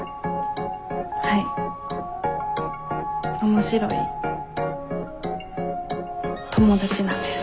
面白い友達なんです。